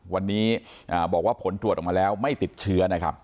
วันนี้บอกว่าผลตรวจออกมาแล้วไม่ติดเชื้อนะครับ